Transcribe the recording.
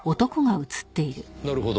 なるほど。